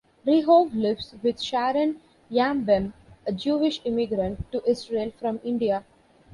Rehov lives with Sharon Yambem, a Jewish immigrant to Israel from India.